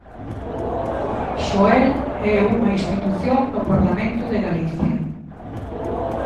Xoel é unha institución no Parlamento de Galicia.